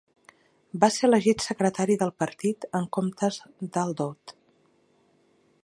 Va ser elegit secretari del partit en comptes d'Al-Daud.